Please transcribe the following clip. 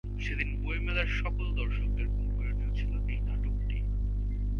সেদিন বই মেলার সকল দর্শক দের মন কেড়ে নিয়েছিল এই নাটক টি।